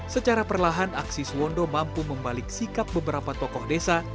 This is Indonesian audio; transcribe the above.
secara perlahan aksi suwondo mampu membalik sikap beberapa tokoh desa